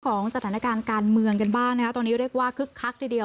สถานการณ์การเมืองกันบ้างนะคะตอนนี้เรียกว่าคึกคักทีเดียว